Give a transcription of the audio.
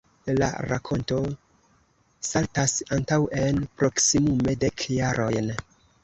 La rakonto saltas antaŭen proksimume dek jarojn.